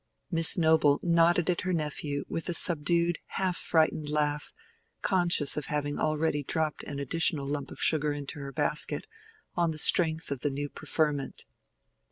Miss Noble nodded at her nephew with a subdued half frightened laugh, conscious of having already dropped an additional lump of sugar into her basket on the strength of the new preferment.